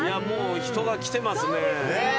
もう人が来てますね。